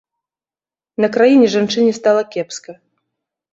На краіне жанчыне стала кепска.